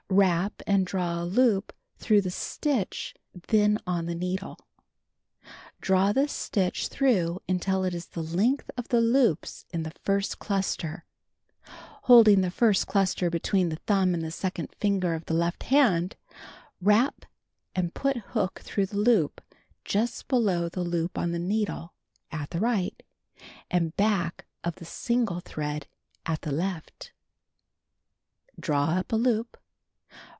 Wrap and draw a loop through the stitch then on the needle. Draw this stitch through mitil it is the length of the loops in the first cluster. Holding the first cluster between the thumb and second finger of the left hand, wrap, and put hook through the loop just below the loop on the needle (at the right), and backoi the siiujle tliread at the left. (See picture above.) Draw up a loop.